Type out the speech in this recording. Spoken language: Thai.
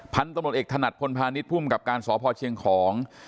พันธุ์ตำรวจเอกถนัดพลพาณิชย์ภูมิกับการสพเชียงของ